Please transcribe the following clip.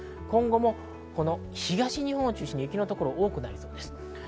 今後も東日本を中心に雪のところ多くなりそうです。